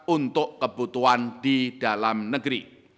untuk kebutuhan di dalam negeri